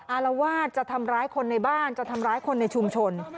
อารวาสจะทำร้ายคนในบ้านจะทำร้ายคนในชุมชน